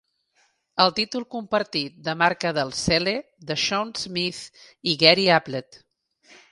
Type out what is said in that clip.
El títol compartit de "marca del sehle" de Shaun Smith i Gary Ablett.